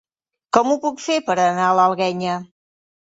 Com ho puc fer per anar a l'Alguenya?